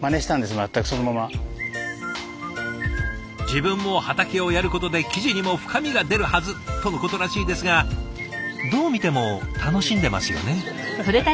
「自分も畑をやることで記事にも深みが出るはず」とのことらしいですがどう見ても楽しんでますよね？